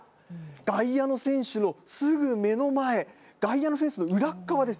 外野の選手のすぐ目の前外野のフェンスの裏っ側です。